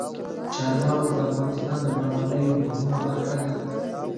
چار مغز د افغانستان د بڼوالۍ یوه مهمه برخه ده.